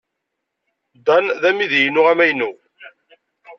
Dan d amidi-inu amaynu.